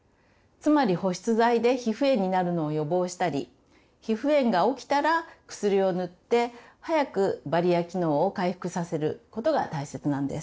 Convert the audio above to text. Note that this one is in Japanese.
つまり保湿剤で皮膚炎になるのを予防したり皮膚炎が起きたら薬を塗って早くバリア機能を回復させることが大切なんです。